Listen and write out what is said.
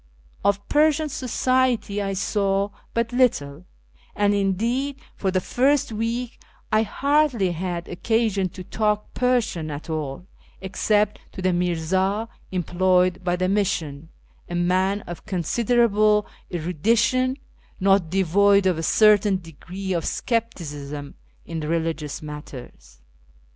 Of Persian society I saw but little, and indeed for the first week I hardly had occasion to talk Persian at all except to the MiivA employed by the Mission — a man of considerable erudition, not devoid of a certain degree of scepticism in religious matters.